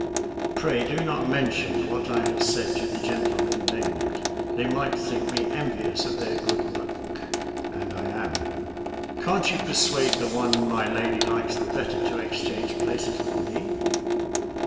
Pray, do not mention what I have said to the gentlemen named. They might think me envious of their good luck, and I am. Can't you persuade the one my lady likes the 'better to exchange places with me?